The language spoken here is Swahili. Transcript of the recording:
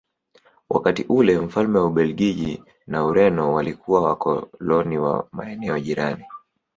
Wakati ule mfalme wa Ubelgiji na Ureno walikuwa wakoloni wa maeneo jirani